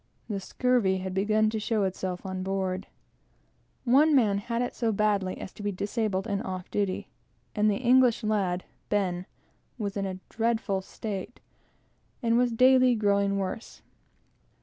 The scurvy had begun to show itself on board. One man had it so badly as to be disabled and off duty, and the English lad, Ben, was in a dreadful state, and was daily growing worse.